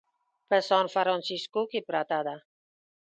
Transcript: په سان فرانسیسکو کې پرته ده.